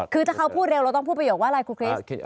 คือถ้าเขาพูดเร็วเราต้องพูดประโยคว่าอะไรครูคริส